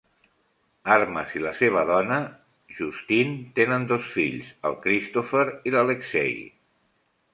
Armas i la seva dona, Justine, tenen dos fills, el Christopher i l'Aleksei.